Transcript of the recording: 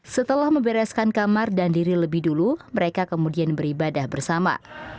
setelah membereskan kamar dan diri lebih dulu mereka kemudian beribadah bersama